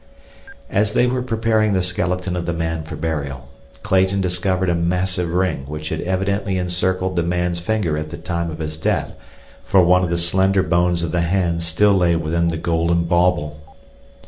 As they were preparing the skeleton of the man for burial, Clayton discovered a massive ring which had evidently encircled the man's finger at the time of his death, for one of the slender bones of the hand still lay within the golden bauble.